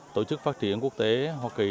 tổ chức phát triển quốc tế hoa kỳ